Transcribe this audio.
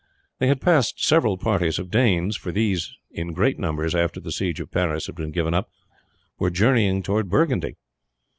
They had passed several parties of Danes, for these in great numbers, after the siege of Paris had been given up, were journeying towards Burgundy.